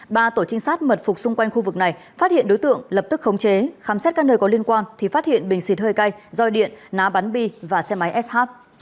ba tổ trinh sát mật phục xung quanh khu vực này phát hiện đối tượng lập tức khống chế khám xét các nơi có liên quan thì phát hiện bình xịt hơi cay roi điện ná bắn bi và xe máy sh